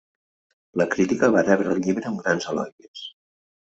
La crítica va rebre el llibre amb grans elogis.